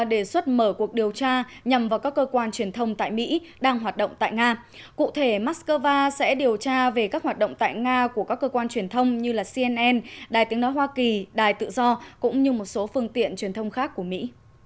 đề xuất mở cuộc điều tra nhằm vào các cơ quan truyền thông tại mỹ đang hoạt động tại nga cụ thể moscow sẽ điều tra về các hoạt động tại nga của các cơ quan truyền thông như cnn đài tiếng nói hoa kỳ đài tự do cũng như một số phương tiện truyền thông khác của mỹ